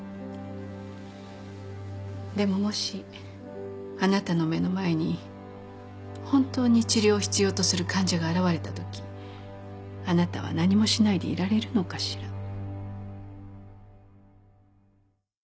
でももしあなたの目の前に本当に治療を必要とする患者が現れたときあなたは何もしないでいられるのかしら。